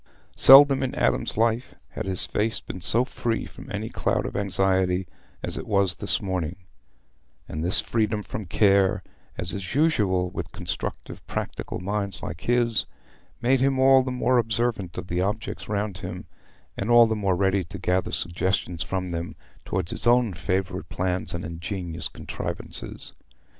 Seldom in Adam's life had his face been so free from any cloud of anxiety as it was this morning; and this freedom from care, as is usual with constructive practical minds like his, made him all the more observant of the objects round him and all the more ready to gather suggestions from them towards his own favourite plans and ingenious contrivances.